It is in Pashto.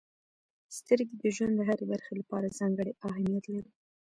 •سترګې د ژوند د هرې برخې لپاره ځانګړې اهمیت لري.